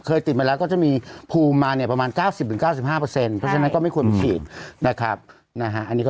คัสเตอร์เยอะมากนะพี่ตอนนี้